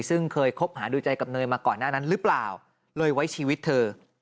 ซึ่งเคยคบหาดูใจกับเนยมาก่อนหน้านั้นหรือเปล่าเลยไว้ชีวิตเธอ